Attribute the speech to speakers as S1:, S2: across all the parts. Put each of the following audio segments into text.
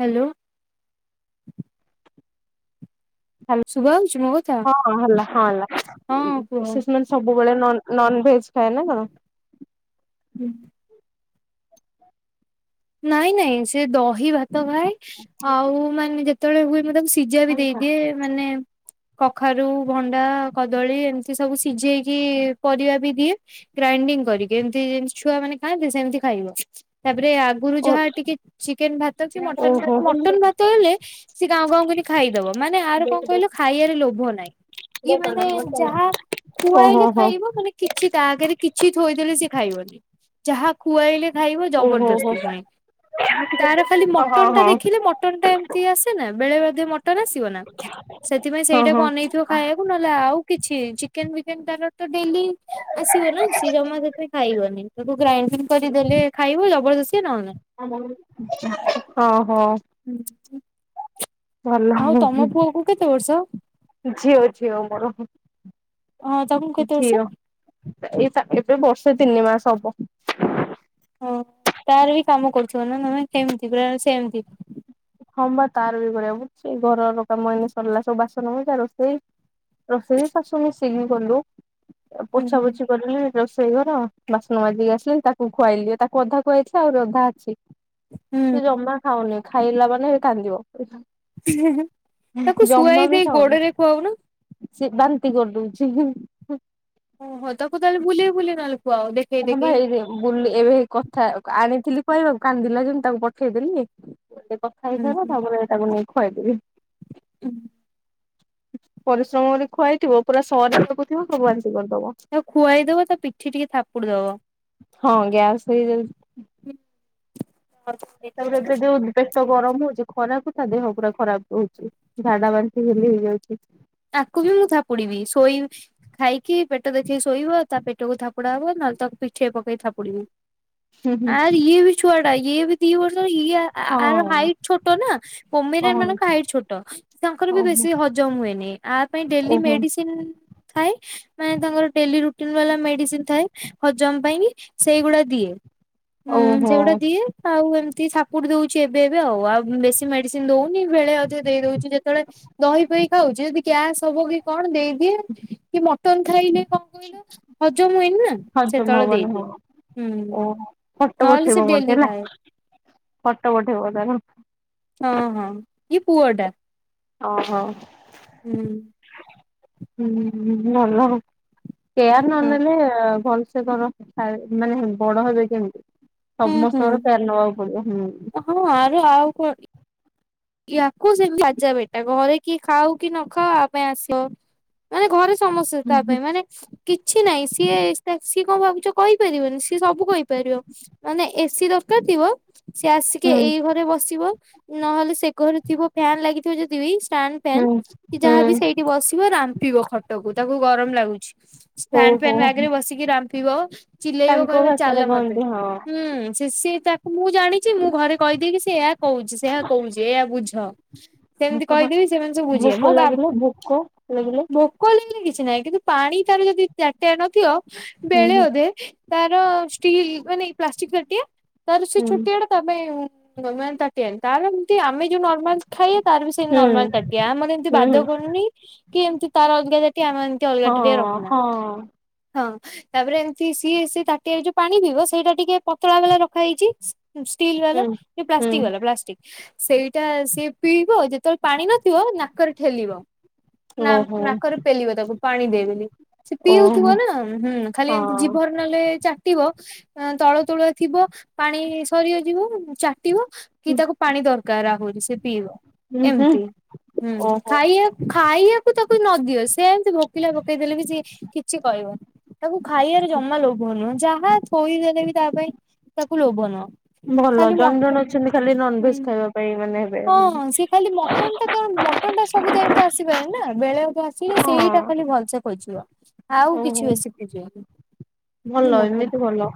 S1: Hello.
S2: ହାଲ
S1: ଶୁଭାହଉଛି ମୋ କଥା
S2: ହଁ ହେଲା ହଁ
S1: ହଁ କୁହ
S2: ହେଲା। ସବୁବେଳେ ନନ୍-ନନ୍ଭେଜ ଖାଏ ନା କଣ?
S1: ହୁଁଁ। ନାଇଁ ନାଇଁ ସେ ଦହି ଭାତ ଖାଏ। ଆଉ ମାନେ ଯେତେବେଳେ ହୁଏ ମୁଁ ତାକୁ ସି ସିଜା ବି ଦେଇଦିଏ ମାନେ କଖାରୁ ଭଣ୍ଡା କଦଳୀ ଏମିତି ସବୁ ସିଝେଇକି ପରିବା ବି ଦିଏ। ଗ୍ରାଇଣ୍ଡିଙ୍ଗ କରିକି ଏମିତି ଯେମିତି ଛୁଆ ମାନେ ଖାଆନ୍ତି ସେମିତି ଖାଇବ। ତାପରେ ଗୁରୁ
S2: ଓ
S1: ଯାହା
S2: ଓହୋ।
S1: ଟିକେ ଚିକେନ୍ ଭାତ କି ମଟନ୍ ଭାତ।
S2: ଓହୋ ହୋ
S1: ମଟନ ଭାତ ହେଲେ ସେ ଗାଁଉ ଗାଁଉ କରି ଖାଇଦବ ମାନେ ଆର କଣ କହିଲ ଖାଇବାରେ ଲୋଭ ନାହିଁ। ଇଏ ମାନେ ଯାହା
S2: ଓହୋ
S1: ଖୁଆଇଲେ ଖାଇବ। ମାନେ କିଛି ତା ଆଗରେ କିଛି ଥୋଇଦେଲେ ସେ ଖାଇବନି। ଯାହା ଖୁଆଇଲେ ଖାଇବ
S2: ହୋ
S1: ଜବରଦସ୍ତ ଣି ତାର ଖାଲି
S2: ହଁ ହଁ
S1: ମଟନ ଟା ଦେଖିଲେ ମଟନ ଟା ଏମତି ଆସେ ନା ବେଳେବେଳେ ମ ମଟନ ଆସିବ ନା ସେଥିପାଇଁ
S2: ହଁ
S1: ସେଇଟାକୁ
S2: ହଁ।
S1: ଅନେଇଥିବ ଖାଇବାକୁ। ନ ହେଲେ ଆଉ କିଛି ଚିକେନ ଫିକେନ୍ ତାର ତ ଡେଲି ଆସିବ ନା। ସିଏ ଜମା ସେତେ ଖାଇବନି। ତାକୁ ଗ୍ରାଇଣ୍ଡିଙ୍ଗ୍ କରି ଦେଲେ ଖାଇବ ଜବରଦସ୍ତି ନହେଲେ ନାଇଁ।
S2: ହଁ ହଁ।
S1: [inaudible] ଆଉ ତମ ପୁଅ କୁ କେତେ ବର୍ଷ?
S2: ଝିଅ ଝିଅ ମୋର।
S1: ହଁ ତାଙ୍କୁ କେତେ ବର୍ଷ?
S2: ଝିଅ ଏ ଏବେ ବର୍ଷେ ତିନି ମାସ ହବ।
S1: ହଁ ତାର ବି କାମ କରୁଥିବ ନା ନାଇଁ ସେମ୍ତି ପୁରା ସେମ୍ତି।
S2: ହଁ ବା ତାର ବି କରିବାକୁ ପଡ଼ୁଚି। ଘରର କାମ ଏଇନେ ସରିଲା ସବୁ ବାସନମଜା, ରୋଷେଇ ରୋଷେଇ ଶାଶୁ ମିଶିକି କଲୁ।
S1: ହୁଁ
S2: ପୋଛା
S1: ହୁଁ।
S2: ପୋଛି କରିଲୁ। ରୋଷେଇ ଘର, ବାସନ ମାଜିକି ଆସିଲି। ତାକୁ ଖୁଆଇଲି। ତାକୁ ଅଧା ଖୁଆଇଛି ଆଉ ଅଧା ଅଛି। ସେ
S1: ହୁଁ
S2: ଜମା ଖାଉନି। ଖାଇଲା ମାନେ କାନ୍ଦିବ।
S1: ତାକୁ
S2: ଜମା
S1: ଶୁଆଇ
S2: ବି
S1: ଦେଇ
S2: ଖାଉନି
S1: ଗୋଡରେ ଖୁଆଉନ।
S2: ସେ ବାନ୍ତି କରିଦଉଛି।
S1: ଓହୋ ତାକୁ ତାହେଲେ ବୁଲେଇ ବୁଲେଇ ନହେଲେ ଖୁଆଅ ଦେ
S2: [unintelligible] ବୁଲି ଏବେ କଥା ଆଣିଥିଲି କହିବାକୁ କାନ୍ଦିଲା ଯେ ମୁଁ ତାକୁ ପଠେଇଦେଲି ଗୋଟେ କ
S1: ହୁଁ
S2: ଖାଇସାର
S1: ହୁଁ
S2: ତାପରେ ଏଇଟାକୁ ନେଇ ଖୁଆଇଦେବି।
S1: ହୁଁ।
S2: ପରିଶ୍ରମ ଖୁଆଇଥିବ ପୁରା [unintelligible] ସବୁ ବାନ୍ତି କରିଦବ।
S1: ଖୁଆଇଦବ ତା ପିଠି ଟିକେ ଥାପୁଡି ଦବ।
S2: ହଁ ଗ୍ୟାସ୍ ହେଇ ଯାଉଚି।
S1: [unintelligible]
S2: [unintelligible] ଗରମ ହଉଚି ଖରାକୁ ତା ଦେହ ପୁରା ଖରାପ ହଉଛି ଝାଣ୍ଡା ବାନ୍ତି ଖାଲି ହେଇଯାଉଚି।
S1: ତାକୁ ବି ମୁଁ ଥାପୁଡିବି ଶୋଇ। ଖାଇକି ପେଟ ଦେଖିକି ଶୋଇବ ତା ପେଟକୁ ଥାପୁଡା ହବ ନହେଲେ ତାକୁ ପିଠେଇ ପକେଇି ଥାପୁଡିମୁ।
S2: ହୁଁ ହୁଁ।
S1: ଆରେ ଇଏ ବି ଛୁଆଟା ଇଏ ବି ଦି ବର୍ଷ ଇଆ ଆ
S2: ହଁ
S1: ଆର ହାଇଟ୍ ଛୋଟ ନା କମିର
S2: ଓହୋ
S1: ମାନଙ୍କ ହାଇଟ୍ ଛୋଟ। ତାଙ୍କର ବି
S2: ଓହୋ
S1: ବେଶୀ ହଜମ ହୁଏନି ଆ ପାଇଁ ଡେଲି
S2: ଓହୋ
S1: ମେଡିସିନ ଥାଏ। ମାନେ ତାଙ୍କର ଡେଲି ରୁଟିନ ବାଲା ମେଡିସିନ ଥାଏ ହଜମ ପାଇଁ ସେଇଗୁଡା ଦିଏ। ହୁଁ
S2: ଓହୋ
S1: ସେଗୁଡା ଦିଏ। ଆଉ ଏମିତି ସାପୁଡ଼ି ଦଉଛି ଏବେ ଏବେ ଆଉ ବେଶୀ ମେଡିସିନ ଦଉନି ବେଳେ ଅଧେ ଦେଇ ଦଉଛି ଯେତେବେଳେ ଦହି ପହି ଖାଉଚି ଯଦି ଗ୍ୟାସ୍ ହବ କି କଣ ଦେଇଦିଏ କି ମଟନ ଖାଇଲେ କଣ କହିଲ ହଜମ୍
S2: ହଜମ୍ ହବନି ହୁଁ
S1: ହୁଁ।
S2: ଓହୋ ଫଟ
S1: ନହେଲେ ସେ
S2: ଉଠିବ
S1: ଡେଲି
S2: ବେଧେ ନା?
S1: ଖାଏ।
S2: ଫଟ ବଠେଇବ ତାକୁ।
S1: ହଁ ହଁ ଏଇ ପୁଅ ଟା।
S2: ଓହୋ [unintelligible]
S1: ହୁଁ।
S2: ହୁଁ ଭଲ କେୟାର
S1: ହଁ
S2: ନନେଲେ ଭଲସେ କର। ଆରେ ମାନେ ବଡ଼ ହେବେ କେମିତି
S1: ହୁଁ ହୁଁ
S2: ସମସ୍ତଙ୍କର କେୟାର ନବାକୁ ପଡିବ ହୁଁ।
S1: ହଁ ଆରେ ଆଉ କଣ ଇାକୁ ସେମିତି ରାଜା ବେଟା ଘରେ କିଏ ଖାଉ କି ନ ଖାଉ ଆ ପାଇଁ ଆସିବ। ମାନେ ଘରେ ସମସ୍ତେ ତା
S2: ହୁଁ
S1: ପାଇଁ ମାନେ କିଛି ନାହିଁ ସିଏ ସିଏ କଣ ଭାବୁଛ କହିପାରିବନି ସିଏ ସବୁ କହିପାରିବ। ମାନେ ଏସିି ଦରକାର ଥିବ। ସେଏ ଆସିକି
S2: ହୁଁ।
S1: ଏଇ ଘରେ ବସିବ ନହେଲେ ସେ ଘରେ ଥିବ ଫ୍ୟନ୍ ଲାଗିଥିବ ଯଦିବି ଷ୍ଟା ଫ୍ୟାନ୍
S2: ହୁଁ
S1: ଯାହାବି ସେଇଠି ବସିବ ରାମ୍ପିବ ଖଟକୁ ତାକୁ ଗରମ ଲାଗୁଚି। ଷ୍ଟାଣ୍ଡ
S2: ଓହୋ
S1: ଫ୍ୟାନ୍ ଆଗରେ ବସିକି ରାମ୍ପିବ। ଚିଲେଇବ
S2: ତାଙ୍କ
S1: କହିବ
S2: ଭାଷାରେ
S1: ଚାଲ ମତେ
S2: କହନ୍ତି ହଁ।
S1: ହୁଁ ସେ ସେ ତା ମୁଁ ଜାଣିଛି ମୁଁ ଘରେ କହିଦେଏ କି ସେ ଏହା କହୁଚି ସେଆ କହୁଚି। ଏଆ ବୁଝ ସେମିତି କହିଦେବି ସେମାନେ ସବୁ ବୁଝିବେ
S2: ଭୋକ
S1: ମୋ ବା
S2: ଲାଗିଲେ ଭୋକ ଲାଗିଲେ
S1: ପୋକ ହେଲେ କିଛି ନାହିଁ କିନ୍ତୁ ପାଣି ତାର ଯଦି ତାଟିଆରେ ନଥିବ
S2: ହୁଁ
S1: ବେଳେ
S2: ହୁଁ
S1: ଅଧେ। ତାର ଷ୍ଟିଲ୍ ଇଭେନ୍ ଏଇ ପ୍ଲାଷ୍ଟିକ୍ ତାଟିଆ ତାର ସେ
S2: ହୁଁ
S1: ଛୋଟିଆ ଟା [unintelligible] ଖାଇ ତାର ବି ସେଇ ନର୍ମାଲ
S2: ହୁଁ
S1: ତାଟିଆ ଆମର ଏମିତି
S2: ହୁଁ
S1: ବାଧ
S2: ହୁଁ
S1: କରୁନି। କି ଏମିତି ତାର ଅଲଗା ତାଟିଆ ଆମେ ଏମିତି ଅଲଗା
S2: ହଁ
S1: ତାଟିଆ ରଖୁନା
S2: ହଁ
S1: ହଁ। ତାପରେ ଏମିତି ସିଏ ତାଟିଆ ଯୋଉ ପାଣି ପିଇବ ସେଇଟା ଟିକେ ପତଳା ବେଲା ରଖାଯାଇଚି। ସ୍ଟିଲ
S2: ହୁଁ
S1: ବାଲା କି
S2: ହୁଁ।
S1: ପ୍ଲାଷ୍ଟିକ ବାଲା ପ୍ଲାଷ୍ଟିକ। ସେଇଟା ସିଏ ପିଇବ ଯେତେବେଳେ ପାଣି ନଥିବ ନାକରେ ଠେଲିବ। ନା
S2: ଓହୋ
S1: ନାକରେ ପେଲିବ ତାକୁ ପାଣି ଦେଇବେ ସେ ପିଉଥିବ
S2: ଓହୋ
S1: ନା ହୁଁ ଖାଲି
S2: ହଁ
S1: ଏମତି ଜୀଭର ନହେଲେ ଚାଟିବ ତଳ ତୁଳଆ ଥିବ ପାଣି ସରି ଯିବ ଚାଟିବ କି ତାକୁ ପାଣି ଦରକାର ଆହୁରି ସେ ପିଇବ
S2: ହୁଁ ହୁଁ
S1: ଏମତି ହୁଁ
S2: ଓହୋ
S1: ଖାଇ ଖ ଖାଇବାକୁ ତାକୁ ନଦିଅ ସେ ଏମିତି ଭୋକିଲା ପକେଇ ଦେଲେ ବି ସିଏ କିଛି କହିବନି। ତାକୁ ଖାଇବାରେ ଜମା ଲୋଭ ନୁହଁ ଯାହା ଥୋଇଦଲେ ବି ତା ପାଇଁ ତାକୁ ଲୋଭ ନୁହଁ
S2: ଭଲ
S1: ଖାଲି ମଟ
S2: ଜଣେ ଜଣ ଅଛନ୍ତି ଖାଲି
S1: ହୁଁ।
S2: ନନଭେଜ ଖାଇବା ପାଇଁ ମାନେ ହେବେ
S1: ହଁ ସେ ଖାଲି ମଟନ୍ ଟା କ ମଟନ୍ ଟା ସବୁ ଟାଇ ତ ଆସିପାରେ ନା ବେଳେଠୁ ଆସିଲେ ସେଇଟା
S2: ହଁ
S1: ଖାଲି ଭଲସ ଖୋଜିବ ଆଉ
S2: ଓହୋ
S1: କିଛି ବେଶି ଖୋଜିବନି।
S2: ଭଲ
S1: ମଟନ
S2: ଏମିତି ଭଲ।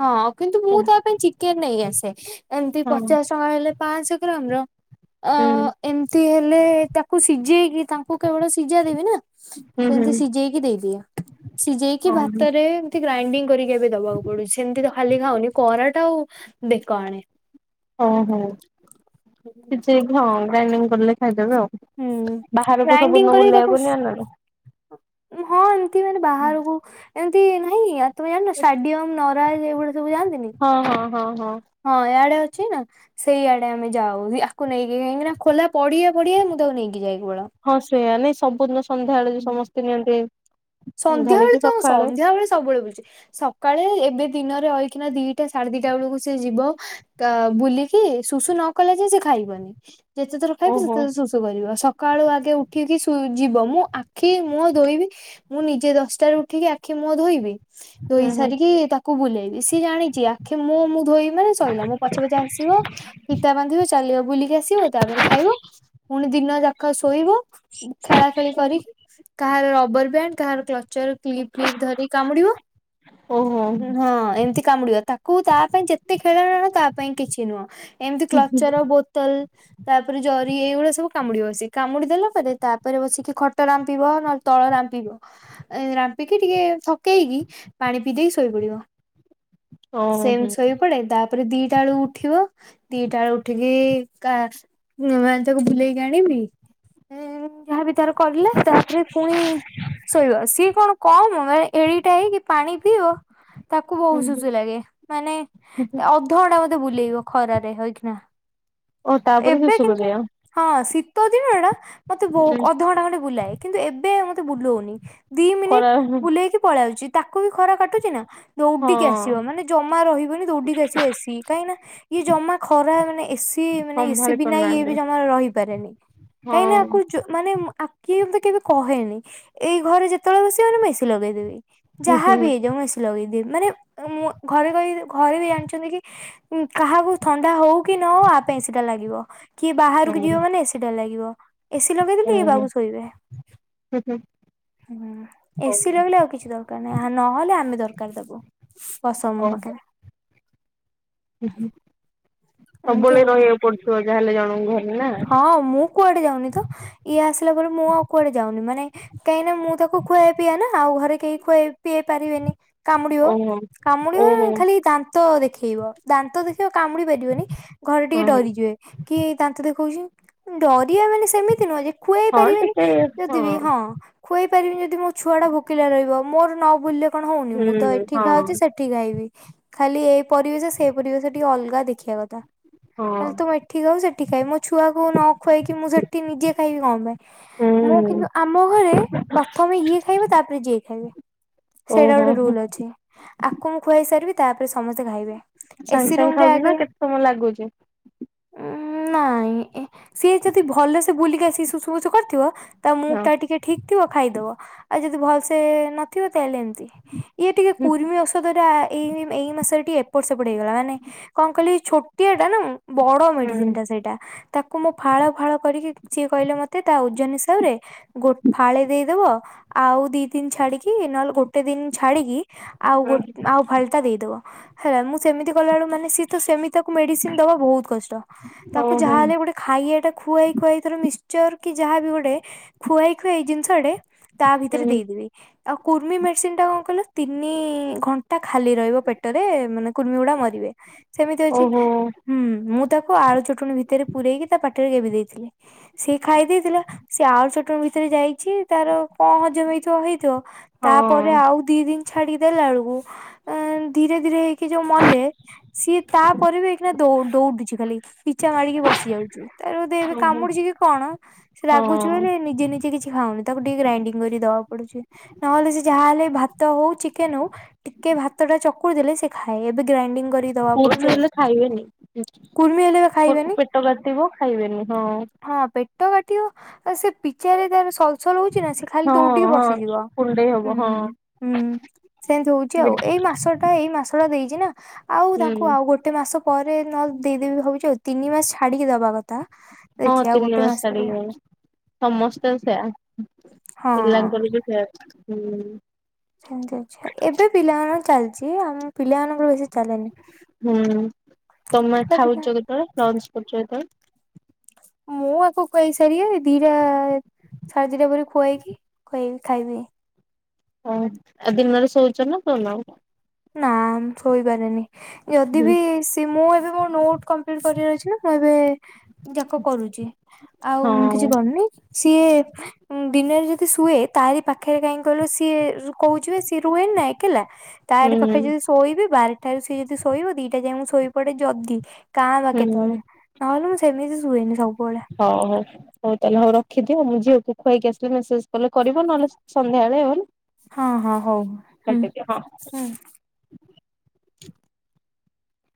S1: ହଁ କିନ୍ତୁ ମୁଁ
S2: ସବୁ
S1: ତା ପାଇଁ ଚିକେନ ନେଇ ଆସେ ଏମତି
S2: ହଁ
S1: ପଚାଶ ଟଙ୍କା ହେଲେ ପାଞ୍ଚଶହ ଗ୍ରାମ ର ଅ
S2: ହୁଁ
S1: ଏମିତି ହେଲେ ତାକୁ ସିଝେଇକି ତାଙ୍କୁ କେବଳ ସିଝା ଦେବି ନା
S2: ହୁଁ
S1: ତାକୁ ଏମତି
S2: ହୁଁ
S1: ସିଝେଇକି ଦେଇଦିଅ ସିଝେଇକି
S2: ହଁ
S1: ଭାତରେ ଗ୍ରାଇଣ୍ଡିଙ୍ଗ କରିକି ଏବେ ଦବାକୁ ପଡୁଛି ସେମିତି ତ ଖାଲି ଖାଉନି କରାଟ ଆଉ ବେକ ଆଣେ।
S2: ହଁ ହଉ କିଛି ହଁ ଗ୍ରାଇଣ୍ଡିଙ୍ଗ କରିଲେ ଖାଇଦେବେ
S1: ହୁଁ
S2: ଆଉ। ବାହାରକୁ ସବୁ
S1: ଗ୍ରାଇଣ୍ଡିଙ୍ଗ
S2: ଦିନ
S1: କରିକି ତାକୁ
S2: ବୁଲେଇବାକୁ ନିଏନା।
S1: ହଁ ଏମିତି ମାନେ ବାହାରକୁ ଏମତି ନାଇଁ ତମେ ଜାଣିନ ଷ୍ଟାଡିୟମ ନ ପ୍ରାୟ ସେଭଳି ସବୁ ଯାଆନ୍ତିନି
S2: ହଁ ହଁ ହଁ ହଁ।
S1: ହଁ ଇଆଡେ ଅଛି ନା ସେଇଆଡେ ଆମେ ଯାଉ ଆକୁ ନେଇକି କାହିଁକିନା ଖୋଲା ପଡିଆ ଫଡିଆ ମୁଁ ତାକୁ ନେଇକି ଯାଇକି ପୁରା
S2: ହଁ ସେଇୟା ନାଇଁ ସବୁ ଦିନ ସନ୍ଧ୍ୟା ଆଳେ ଯୋଉ ସମସ୍ତେ ନିଅନ୍ତି
S1: ସନ୍ଧ୍ୟାବେଳେ
S2: କି
S1: ତ
S2: ସକାଳେ
S1: ସନ୍ଧ୍ୟାବେଳେ ସବୁବେଳେ ବୁଲୁଛି ସ କାଳେ ଏବେ ଦିନରେ ରହିକିନା ଦିଟା ସାଢ଼େ ଦିଟା ବେଳକୁ ସେ ଯିବ। କା ବୁଲିକି ଶୁଶୁ ନ କଲା ଯାଏଁ ସେ ଖାଇବନି ଯେତେଥର ଖାଇବ
S2: ଓହୋ
S1: ସେତେଥର ଶୁଶୁ କରିବ ସକାଳୁ ଆଗେ ଉଠିକି ସ୍କୁଲ ଯିବ ମୁଁ ଆଖି ମୁହଁ ଧୋଇବି ମୁଁ ନିଜେ ଦଶଟାରୁ ଉଠିକି ଆଖି ମୁହଁ ଧୋଇବି।
S2: ହୁଁ
S1: ଧୋଇ
S2: ହୁଁ
S1: ସାରିକି ତାକୁ ବୁଲେଇବି ସିଏ ଜାଣିଛି ଆଖି ମୁହଁ ମୁଁ ଧୋଇବି ମାନେ ସରିଲା ମୋ ପଛେ ପଛେ ଆସିବ ଫିତା ବାନ୍ଧିବ ଚାଲିବ ବୁଲିକି ଆସିବ ତାପରେ ଖାଇବ। ପୁଣି ଦିନ ଯାକ ଶୋଇବ ଖେଳା ଖେଳି କରିକି କାହାର ରବର ବ୍ୟାଣ୍ଡ କାହାର କ୍ଲଚର୍ କ୍ଲିପ୍ ଫ୍ଲିପ୍ ଧରି କାମୁଡିବ।
S2: ଓହୋ
S1: ହଁ ଏମିତି କାମୁଡିବ ତାକୁ ତା ପାଇଁ ଯେତେ ଖେଳଣା ଆଣ ତା ପାଇଁ କିଛି ନୁହଁ। ଏମିତି କ୍ଲଚର ବୋତଲ୍ ତାପରେ ଜରି ଏଇଭଳିଆ ସବୁ କାମୁଡିବ ସେ କାମୁଡି ଦେଲା ପରେ ତାପରେ ବସିକି ଖଟ ରାମ୍ପିବ ନହେଲେ ତଳ ରାମ୍ପିବ। ରାମ୍ପିକି ଟିକେ ଥକେଇକି ପାଣି ପିଇଦେଇ ଶୋଇପଡିବ। ସେମିତ
S2: ଓହୋ
S1: ସୋଇପଡେ ତା ପରେ ଦିଟା ବେଳୁକୁ ଉଠିବ ଦିଟା ବେଳୁ ଉଠିକି କା ମାନେ ତାକୁ ବୁଲେଇକି ଆଣିବି ଯାହାବି ତାର କଲେ ତାପରେ ପୁଣି ଶୋଇବ। ସି ଇଏ କଣ କମ ମାନେ ଏଡିକିଟା ହେଇକି ପାଣି ପିଇବ ତାକୁ ବହୁ
S2: ହୁଁ
S1: ଶୁଶୁ ଲାଗେ ମାନେ
S2: ହୁଁ।
S1: ଅଧଘଣ୍ଟା ମତେ ବୁଲେଇବ ଖରାରେ ହେଇକିନା।
S2: ଓ ତାପରେ
S1: ଏବେ
S2: ଶେଷ
S1: କିନ୍ତୁ
S2: କରିବା
S1: ହଁ ଶୀତ ଦିନ ଟା ମତେ ବହୁତ ଅଧଘଣ୍ଟା ଖଣ୍ଡେ ବୁଲାଏ। କିନ୍ତୁ ଏବେ ମତେ ବୁଲଉନି ଦି
S2: ଖରା
S1: ମିନିଟ୍ ବୁଲେଇକି ପଳି ଆସୁଛି ତାକୁ ବି ଖରା କାଟୁଛି ନା। ଦୌଡିକି
S2: ହଁ
S1: ଆସିବ ମାନେ ଜମା ରହିବନି ଦୌଡିକି ଆସିବ ଏସି। କାହିଁକି ନା ଇଏ ଜମା ଖରା ମାନେ ଏସି ଇଏ ମାନେ ଏସି
S2: ସମ୍ଭାଳି
S1: ବିନା ଇଏ ବି
S2: ପାରୁନାହାନ୍ତି
S1: ଜମା ରହିପାରେନି କାହିଁକି ନା
S2: ହଁ
S1: ଆକୁ ଜୋ ମାନେ ଆଖି ଏମିତି କେବେ କହେନି, ଏଇ ଘରେ ଯେତେବେଳେ ବସିବ ମାନେ ମୁଁ ଏସି ଲଗେଇଦେବି। ଯାହା ବି ହେଇଯାଉ ମୁଁ ଏସି ଲଗେଇଦିିଏ ମାନେ ମୁଁ ଘରେ କହି ଯେ ଘରେ ବି ଜାଣିଛନ୍ତି କି ଉଁ କାହାକୁ ଥଣ୍ଡା ହଉ କି ନ ହଉ ଆ ପାଇଁ ଏସି ଟା ଲାଗିବ। କି ବାହାରକୁ ଯିବ ମାନେ ଏସି ଟା ଲାଗିବ ଏସି ଲଗେଇ ଦେଲେ ଇଏ ବାବୁ ଶୋଇବେ।
S2: ହୁଁ ହୁଁ।
S1: ହୁଁ ଏସିି ଲଗେଇଲେ ଆଉ କିଛି ଦରକାର ନାହିଁ ଆ ନହେଲେ ଆମେ ଦରକାର ତାକୁ। ବସ ମୋ
S2: ଓହୋ
S1: ପାଖରେ।
S2: [unintelligible]
S1: ଏମିତି
S2: ସବୁବେଳେ
S1: ଆଉ।
S2: ରହିବାକୁ ପଡୁଥିବ ଯାହାହେଲେ ଜଣଙ୍କୁ ଘରେ ନା।
S1: ହଁ ମୁଁ କୁଆଡେ ଯାଉନି ତ, ଇଏ ଆସିଲା ପରେ ମୁଁ ଆଉ କୁଆଡେ ଯାଉନି ମାନେ କାହିଁକି ନା ମୁଁ ତାକୁ ଖୁଆଏ ପିଆଏ ନା ଆଉ ଘରେ କେହି ଖୁଆଇ ପିଆଇ ପାରିବେନି। କାମୁଡିିବ,
S2: ଓହୋ
S1: କାମୁଡିବ
S2: ଓହୋ
S1: ଖାଲି ଦା ଦାନ୍ତ ଦେଖେଇବ, ଦାନ୍ତ ଦେଖେଇବ କାମୁଡି ପାରିବନି ଘରେ ଟିକେ
S2: ହଁ
S1: ଡରିଯିବେ କି ଏଇ ଦାନ୍ତ ଦେଖ ଦେଖଉଚି ଡରିବା ମାନେ ସେମିତି ନୁହଁ ଯେ ଖୁଆଇ
S2: ହଁ
S1: ପାରିବେନି
S2: ଟିକେ
S1: ଯଦି ବି ହଁ ଖୁଆଇ ପାରିବିନି ଯଦି ମୋ ଛୁଆଟା ଭୋକିଲା ରହିବ, ମୋର ନ ବୁଲିଲେ କଣ ହଉନି ମୁଁ ତ
S2: ହୁଁ
S1: ଏଠି ଖାାଉଛି ସେ
S2: ହଁ
S1: ସେଠି ଖାଇବି ଖାଲି ଏ ପରିବେଶ ସେ ପରିବେଶ ଟିକେ ଅଲଗା ଦେଖିବା କଥା।
S2: ହଁ
S1: ହେଲେ ତ ମୁ ଏଠି ଖାଉଛି, ସେଠି ଖାଇବି ମୋ ଛୁଆକୁ ନ ଖୁଆଇକି ମୁଁ ସେଠି ନିଜେ ଖାଇବି କଣ ପାଇଁ। ମୁଁ
S2: ହୁଁ
S1: କିନ୍ତୁ ଆମ ଘରେ ପ୍ରଥମେ ଇଏ ଖାଇବ ତାପରେ ଯିଏ ଖାଇବେ।
S2: ଓହୋ ହୋ
S1: ଛି ଆକୁ ମୁଁ ଖୁଆଇ ସାରିବି ତାପରେ ସମସ୍ତେ ଖାଇବେ। ଏସି
S2: ସାଙ୍ଗେ
S1: ରୁମ
S2: ସାଙ୍ଗେ
S1: ରେ
S2: ଖାଉଚି ନା
S1: ଆଗେ
S2: କେତେ ସମୟ ଲାଗୁଚି?
S1: ଉଁ ନାଇଁ ସିଏ ଯଦି ଭଲ ସେ ବୁଲିକି ଆସିକି ସୁଷୁମୁଷୁ କରିଥିବ ତା ମୁଡ୍
S2: ହଁ
S1: ଟା ଟିକେ ଠିକ୍ ଥିବ ଖାଇଦବ। ଆଉ ଯଦି ଭଲସେ ନଥିବ ତାହେଲେ ଏମତି ଇଏ ଟିକେ କୁର୍ମି ଓ ଔଷଧ ଟା ଏଇ ଏଇ ମାସରେ ଟିକ ଏପଟ ସେପଟ ହେଇଗଲା ମାନେ କଣ କହିଲି ଛୋଟିଆ ଟା ମୁଁ। ବଡ ମେଡ଼ିସିନ୍
S2: ହୁଁ
S1: ଟା ସେଇଟା। ତାକୁ ମୁଁ ଫାଳ ଫାଳ କରିକି ସିଏ କହିଲେ ମୋତେ ତା ଓଜନ ହିସାବରେ ଗୋ ଫାଳେ ଦେଇଦବ ଆଉ ଦି ଦିନ ଛାଡିକି ନହେଲେ ଗୋଟେ ଦିନ ଛାଡିକି ଆଉ ଗୋ ଆଉ ଫା ତା ଦେଇଦେବ ହେଲା, ମୁଁ ସେମିତି କଲାବେଳକୁ ମାନେ ସିଏ ତ ସେମିତି ତାକୁ ମେଡ଼ିସିନ ଦେବା ବହୁତ୍ କଷ୍ଟ। ତାକୁ ଯାହା
S2: ଓହୋ
S1: ହେଲେ ଗୋ ଖାଇଆ ଟା ଖୁଆଇ ଖୁଆଇ ମିକ୍ସଚର କି ଯାହା ବି ଗୋଟେ ଖୁଆଇ ଖୁଆଇ ଜିନିଷଟେ ତା ଭିତରେ ଦେଇଦେବି। ଆଉ କୁର୍ମି ମେଡିସିନ ଟା କଣ କହିଲ ତିନି ଘଣ୍ଟା ଖାଲି ରହିବ ପେଟରେ ମାନେ କୁର୍ମି ଗୁଡା ମରିବେ। ସେମିତି ଅଛି
S2: ଓହୋ
S1: ହୁଁ ମୁଁ ତାକୁ ଆଳୁ ଚଟୁଣୀ ଭିତରେ ପୂରେଇକି ତା ପାଟିରେ ଗେବି ଦେଇଥିଲି। ସିଏ ଖାଇ ଦେଇଥିଲା ସିଏ ଆଳୁ ଚଟଣି ଭିତରେ ଯାଇଚି ତାର କଣ ହଜମ ହେଇଥିବ ହେଇଥିବ। ତାପରେ
S2: ହଁ
S1: ଆଉ ଦି ଦିନି ଛାଡିକି ଦେଲା ବେଳକୁ ଅଁ ଧୀରେ ଧୀରେ ହେଇକି ଯୋଉ ମଲେ ସିଏ ତାପରେ ବି ଏଇକିନା ଦୌ-ଦୌଡୁଛି ଖାଲି ପିଚା ମାଡିକି ବସି ଯାଉଚି ତାର ବୋଧେ ଏବେ
S2: ଓହୋ
S1: କାମୁଚିକି କଣ ସେ
S2: ହଁ
S1: ରାଗୁଛି ମାନେ ନିଜେ ନିଜେ କିଛି ଖାଉନି ତାକୁ ଟିକେ ଗ୍ରାଇଣ୍ଡିଙ୍ଗ କରିକି ଦବାକୁ ପଡୁଚି ନହେଲେ ସେ ଯାହାହେଲେ ଭାତ ହଉ ଚିକେନ ହଉ ଟିକେ ଭାତ ଟା ଚକୁଡି ଦେଲେ ସେ ଖାଏ ଏବେ ଗ୍ରାଇଡିଙ୍ଗ କରିକି ଦବାକୁ
S2: ପୁରଣ
S1: ପଡୁଚି ଆଉ
S2: ହେଲେ ଖାଇବେନି।
S1: କୁର୍ମି ହେଲେ ବା ଖାଇବେନି।
S2: ଟ କାଟିବ ଖାଇବେନି ହଁ
S1: ହଁ ପେଟ କାଟିବ ସେ ପିଚାରେ ତାର ସଲ ସଲ ହଉଛି ନା ସେ ଖାଲି
S2: ହଁ
S1: ଦୌଡିକି
S2: ହଁ
S1: ବସିଯିବ
S2: କୁଣ୍ଡେଇ ହବ
S1: ହୁଁ
S2: ହଁ।
S1: ହୁଁ ସେମିତି ହଉଛି ଆଉ ଏଇ ମାସ ଏଇ ମାସ ଟା ଦେଇଛି ନା ଆଉ ତାଙ୍କୁ
S2: ହୁଁ
S1: ଆଉ ଗୋଟେ ମାସ ପରେ ନ ଲେ ଦେଇଦେବି ଭାବୁଛି ଆଉ ତିନି ମାସ ଦବା କଥା
S2: ହଁ
S1: ଦେଖିବା
S2: ତିନି
S1: ଗୋଟେ ମାସ
S2: ଛାଡିକି ସମସ୍ତେ ସେୟା
S1: ହଁ
S2: ବି ସେ ହୁଁ [unintelligible]
S1: ସେମିତି ଅଛି ଏବେ ପିଲାମାନଙ୍କ ଚାଲିଛି ଆମ ପିଲାମାନଙ୍କର ବେଶୀ ଚାଲେନି
S2: ହୁଁ ତମେ ଖାଉଛ କେତବେଳେ ଲଞ୍ଚ କରୁଛ କେତେବେଳେ
S1: ମୁଁ ଆକୁ ଖୁଆଇସାରି ଦିଟା ସାଢେ ଦିଟା ପରେ ଖୁଆଇକି ଖଇବି ଖାଇବି
S2: ଓ ଆଉ ଦିନରେ ଶୋଉଛ ନା ଶଉନ
S1: ନା ମୁ ଶୋଇପାରେନି ଯଦି
S2: ହୁଁ
S1: ବି ସେ ମୁଁ ଏବେ ମୋ ନୋଟ କମ୍ପ୍ଲିଟ୍ କରିବାର ଅଛି ନା ମୁଁ ଏବେ ଯାକ କରୁଛି ଆଉ କିଛି
S2: ହଁ
S1: କରୁନି ସିଏ ଦିନରେ ଯଦି ଶୁଏ ତାରି ପାଖରେ କାହିଁକି କହିଲ ସିଏ କହୁଚିବା ସିଏ ରୁହେନି ନା ଏକଲା
S2: ହୁଁ
S1: ତାରି ପାଖରେ ଯଦି ଶୋଇବି ବାରଟାରୁ ସିଏ ଯଦି ଶୋଇବ ଦିଟା ଯାଏ ମୁଁ ଶୋଇ ପଡେ ଯଦି କାଁ ବା
S2: ହୁଁ
S1: କେତେବେଳେ ନହେଲେ ମୁଁ ସେମିତି ଶୁଏନି ସବୁବେଳେ
S2: ହଉ ହଉ ହଉ ତାହେଲେ ହଉ ରଖିଦିଅ ମୁଁ ଝିଅକୁ ଖୁଆଇକି ଆସିଲେ ମେସେଜ କଲେ କରିବ ନହେଲେ ସନ୍ଧ୍ୟାବେଳେ ହେଲା
S1: ହଁ ହଁ ହଉ ହୁଁ ହୁଁ